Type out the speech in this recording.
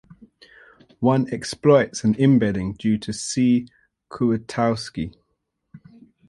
One exploits an imbedding due to C. Kuratowski.